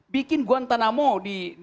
bikin guantanamo di